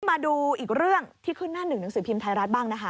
มาดูอีกเรื่องที่ขึ้นหน้าหนึ่งหนังสือพิมพ์ไทยรัฐบ้างนะคะ